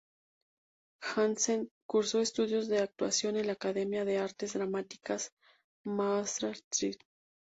Jansen cursó estudios de actuación en la Academia de Artes Dramáticas Maastricht.